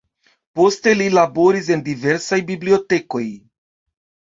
Poste li laboris en diversaj bibliotekoj.